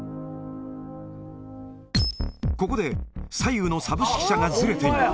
ここで、左右のサブ指揮者がずれている。